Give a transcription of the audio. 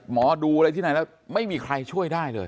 หมอดูอะไรที่ไหนแล้วไม่มีใครช่วยได้เลย